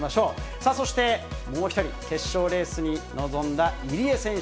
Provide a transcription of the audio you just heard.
さあそして、もう１人、決勝レースに臨んだ入江選手。